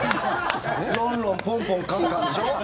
ロンロン、ポンポンカンカンでしょ？